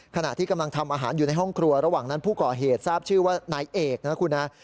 ขณะที่กำลังทำอาหารอยู่ในห้องครัวระหว่างนั้นผู้ก่อเหตุทราบชื่อว่านายเอกนะคุณฮะ